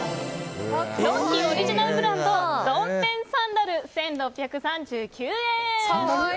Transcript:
ドンキオリジナルブランドドンペンサンダル、１６３９円。